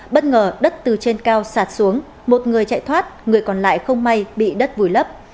bất ngờ đất từ trên cao sạt xuống một người chạy thoát người còn lại không may bị đất vùi lấp